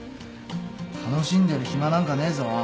楽しんでる暇なんかねえぞ。